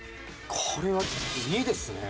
これは２ですね。